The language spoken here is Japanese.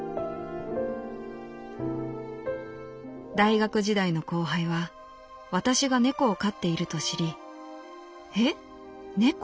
「大学時代の後輩は私が猫を飼っていると知り『え？猫？